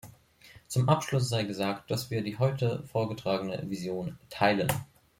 Zum Abschluss sei gesagt, dass wir die heute vorgetragene Vision teilen.